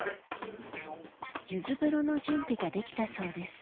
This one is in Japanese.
柚子風呂の準備ができたそうです